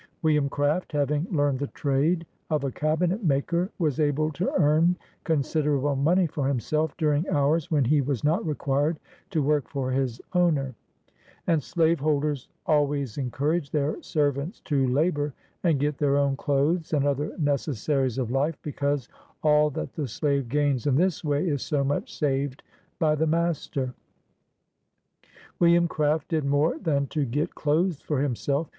"William Craft, having learned the trade of a cabinet maker, was able to earn considerable money for himself during hours when he was not required to work for his owner : and slavehold ers always encourage their servants to labor, and get their own clothes, and other necessaries of life, because all that the slave gains in this way is so much saved by the master. William Craft did more than to get clothes for himself.